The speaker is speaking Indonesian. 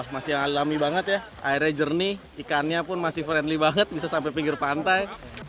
masih alami banget ya airnya jernih ikannya pun masih friendly banget bisa sampai pinggir pantai